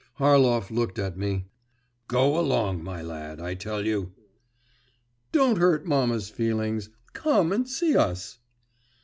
Harlov looked at me. 'Go along, my lad, I tell you.' 'Don't hurt mamma's feelings; come and see us.